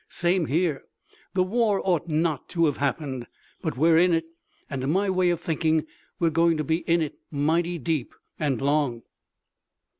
"Same here. The war ought not to have happened, but we're in it, and to my way of thinking we're going to be in it mighty deep and long."